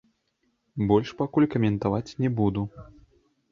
Больш пакуль каментаваць не буду.